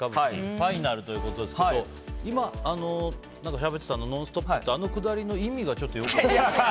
ファイナルということですが今、しゃべっていたの「ノンストップ！」ってあのくだりの意味がちょっとよく分からなかった。